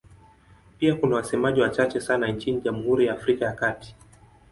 Pia kuna wasemaji wachache sana nchini Jamhuri ya Afrika ya Kati.